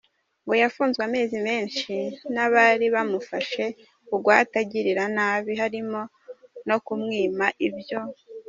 Ngo yafunzwe amezi menshi n’abari bamufashe bugwate agirirwa nabi harimwo no kumwima ibyo.